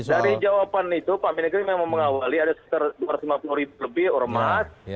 dari jawaban itu pak mendagri memang mengawali ada sekitar dua ratus lima puluh ribu lebih ormas